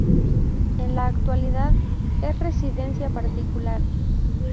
En la actualidad es residencia particular.